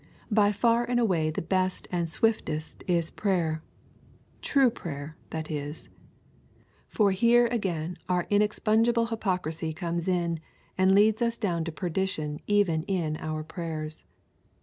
By far and away the best and swiftest is prayer. True prayer, that is. For here again our inexpugnable hypocrisy comes in and leads us down to perdition even in our prayers.